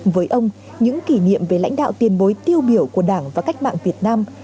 với ông những kỷ niệm về lãnh đạo tiền bối tiêu biểu của đảng và cách mạng việt nam